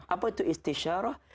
apa itu istisyarah